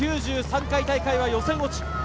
９３回大会は予選落ち。